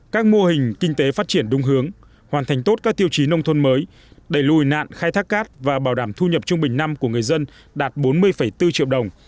các mô hình kinh tế phát triển đúng hướng hoàn thành tốt các tiêu chí nông thôn mới đẩy lùi nạn khai thác cát và bảo đảm thu nhập trung bình năm của người dân đạt bốn mươi bốn triệu đồng